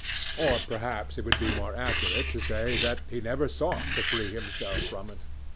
Or perhaps it would be more accurate to say that he never sought to free himself from it.